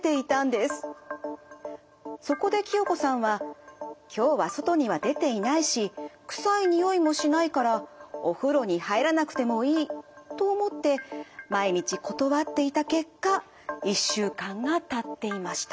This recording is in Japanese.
そこで清子さんは「今日は外には出ていないし臭いにおいもしないからお風呂に入らなくてもいい」と思って毎日断っていた結果１週間がたっていました。